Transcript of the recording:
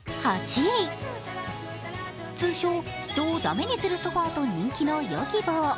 通称・人をダメにするソファと人気のヨギボー。